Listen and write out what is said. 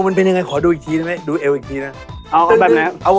คุณเก็บข้อมูลก็ดีเราถามแทนแล้ว